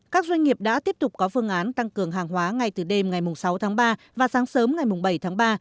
các doanh nghiệp đã tiếp tục có phương án tăng cường hàng hóa ngay từ đêm ngày sáu tháng ba và sáng sớm ngày bảy tháng ba